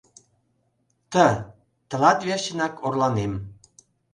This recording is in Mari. Т.- Тылат верчынак орланем.